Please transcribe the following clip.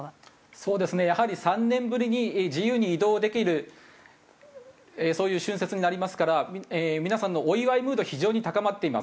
そうですねやはり３年ぶりに自由に移動できるそういう春節になりますから皆さんのお祝いムード非常に高まっています。